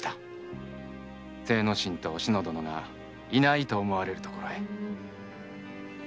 精之進とお篠殿がいないと思われるところへ。